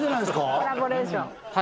コラボレーションはい